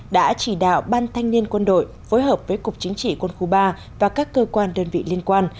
đã chỉ đạo ban thanh niên quân đội phối hợp với cục chính trị quân khu ba và các cơ quan đơn vị liên quan